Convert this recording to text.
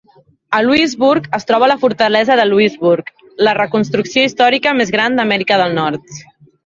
A Louisbourg es troba la Fortalesa de Louisbourg, la reconstrucció històrica més gran d'Amèrica del Nord.